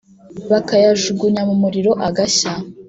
bakayajugunya mu muriro agashya